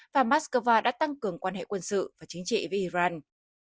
và moscow đã tăng cường quan hệ quân sự và chính trị với iran